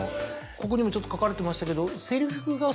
ここにもちょっと書かれてましたけど。